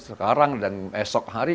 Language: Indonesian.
sekarang dan esok hari